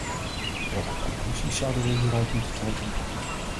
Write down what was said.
Welke conclusies zouden we hieruit moeten trekken?